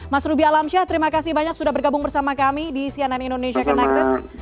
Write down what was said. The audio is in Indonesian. mas ruby alamsyah terima kasih banyak sudah bergabung bersama kami di cnn indonesia connected